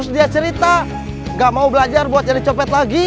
dia cerita nggak mau belajar buat jadi copet lagi